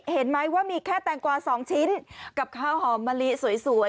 เห็นไหมว่ามีแค่แตงกวา๒ชิ้นกับข้าวหอมมะลิสวย